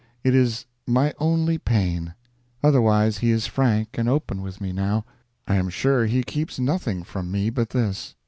It is my only pain. Otherwise he is frank and open with me, now. I am sure he keeps nothing from me but this.